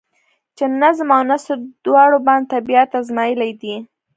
چې نظم او نثر دواړو باندې طبېعت ازمائېلے دے ۔